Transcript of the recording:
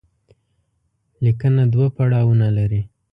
ليکنه دوه پړاوونه لري.